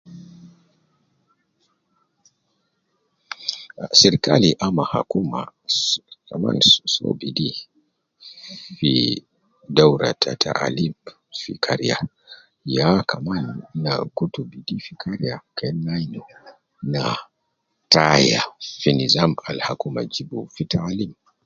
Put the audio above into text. Ah sirikali ama hakuma kaman soo bidi fi doura ta taalim fi kariya yaa kaman na kutu bidii fi kariya keena ayinu, na taaya fi nizam al hakuma jib fi taalim.